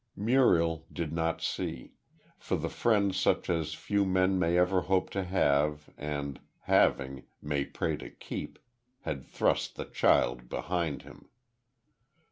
Muriel did not see; for the friend such as few men may ever hope to have and, having, may pray to keep, had thrust the child behind him.